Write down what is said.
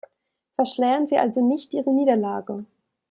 Verschleiern Sie also nicht Ihre Niederlage.